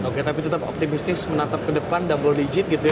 oke tapi tetap optimistis menatap ke depan double digit gitu ya